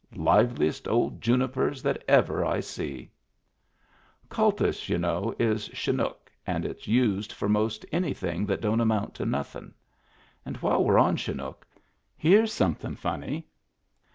Liveliest old junipers that ever I see ! Kultus^ y'u know, is Chinook, and it's used for most an)rthing that don't amount to nothin*. And while we're on Chinook, here's something funny.